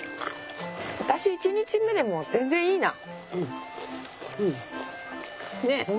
私１日目でも全然いいな！ね！